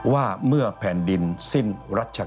ว่าเมื่อแผ่นดินสิ้นรัชกา